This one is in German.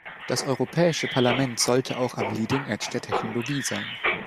Das Europäische Parlament sollte auch am leading edge der Technologie sein.